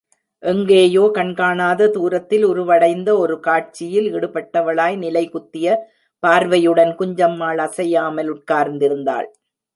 எங்கேயோ, கண்காணாத தூரத்தில் உருவடைந்த ஒரு காட்சியில் ஈடுபட்டவளாய் நிலைகுத்திய பார்வையுடன் குஞ்சம்மாள் அசையாமல் உட்கார்ந்திருந்தாள்.